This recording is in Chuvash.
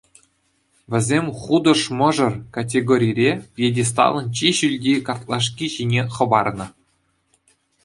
Вӗсем «Хутӑш мӑшӑр» категорире пьедесталӑн чи ҫӳлти картлашки ҫине хӑпарнӑ.